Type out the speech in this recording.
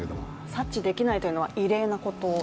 察知できないというのは異例なこと？